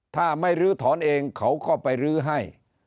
ถ้าไม่ลื้อถอนเองเขาก็ไปรื้อให้